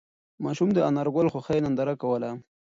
ماشوم د انارګل د خوښۍ ننداره کوله.